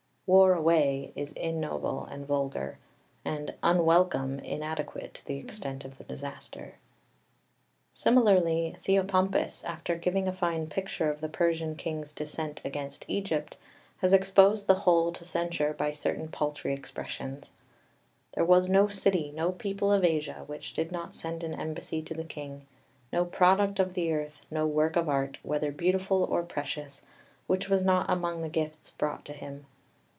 "Wore away" is ignoble and vulgar, and "unwelcome" inadequate to the extent of the disaster. [Footnote 1: Hdt. vii. 188, 191, 13.] 2 Similarly Theopompus, after giving a fine picture of the Persian king's descent against Egypt, has exposed the whole to censure by certain paltry expressions. "There was no city, no people of Asia, which did not send an embassy to the king; no product of the earth, no work of art, whether beautiful or precious, which was not among the gifts brought to him.